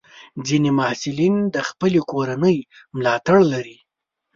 ځینې محصلین د خپلې کورنۍ ملاتړ لري.